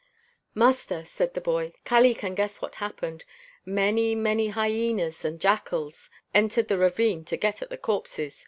"Master," answered the boy, "Kali can guess what happened. Many, many hyenas and jackals entered the ravine to get at the corpses.